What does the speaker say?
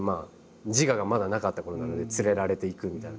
自我がまだなかったころなので連れられて行くみたいな。